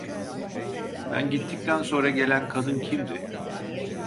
Ben gittikten sonra gelen kadın kimdi?